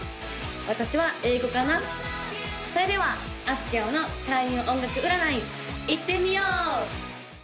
私は英語かなそれではあすきょうの開運音楽占いいってみよう！